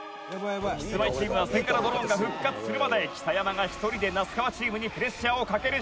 「キスマイチームは千賀のドローンが復活するまで北山が１人で那須川チームにプレッシャーをかけるしかない」